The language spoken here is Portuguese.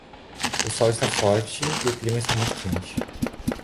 O sol está forte e o clima está muito quente